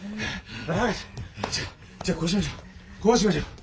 じゃあこうしましょう。